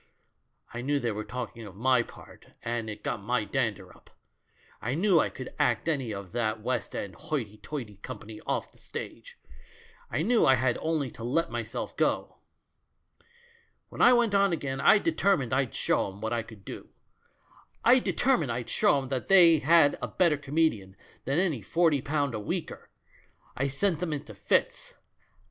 I knew they were talking of my part» and it got my dandei up ; I knew I could act any of that West End hoity toity company off the stage ; I knew I had only to let myself go. "When I went on again I determined I'd show 'em what I could do; I determined I'd show 'em they had a better comedian than any forty pound a weeker. I sent them into fits.